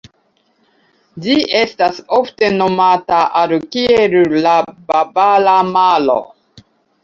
Ĝi estas ofte nomata al kiel la "Bavara Maro".